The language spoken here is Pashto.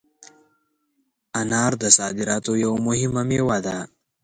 انار د صادراتو یوه مهمه مېوه ده.